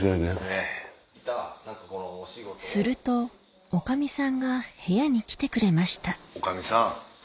すると女将さんが部屋に来てくれました女将さん